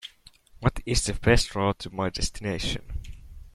What is the best route to my destination?